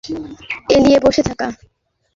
বাড়িতে শান্ত একটা রাত, একটা বই নিয়ে গা এলিয়ে বসে থাকা।